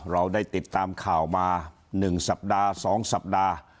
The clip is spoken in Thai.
เราได้ติดตามข่าวมา๑สัปดาห์๒สัปดาห์